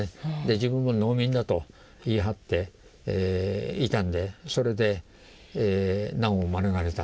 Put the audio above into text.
自分は農民だと言い張っていたんでそれで難を免れた。